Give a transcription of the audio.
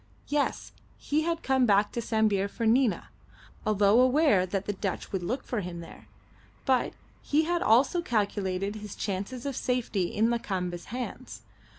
Yes, he had come back to Sambir for Nina, although aware that the Dutch would look for him there, but he had also calculated his chances of safety in Lakamba's hands.